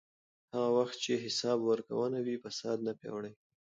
هغه وخت چې حساب ورکونه وي، فساد نه پیاوړی کېږي.